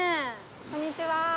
こんにちは。